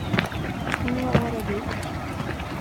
Hur många år är du?